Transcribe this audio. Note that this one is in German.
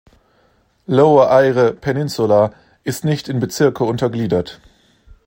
Lower Eyre Peninsula ist nicht in Bezirke untergliedert.